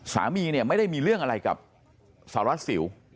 สามีเนี่ยไม่ได้มีเรื่องอะไรกับสารวัสสิว